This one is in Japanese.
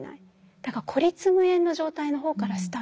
だから孤立無縁の状態の方からスタートするんです。